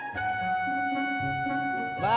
aku mau lipat